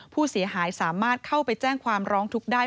ผู้เสียหายสามารถเข้าไปแจ้งความร้องทุกข์ได้